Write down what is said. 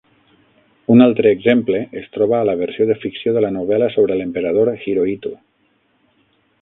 Un altre exemple es troba a la versió de ficció de la novel·la sobre l'emperador Hirohito.